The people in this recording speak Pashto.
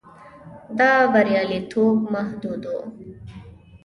دا بریالیتوب محدود و.